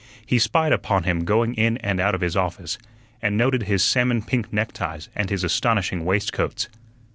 He spied upon him going in and out of his office, and noted his salmon pink neckties and his astonishing waistcoats.